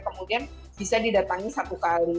kemudian bisa didatangi satu kali